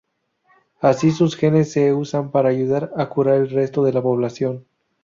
Así, sus genes se usan para ayudar a curar el resto de la población.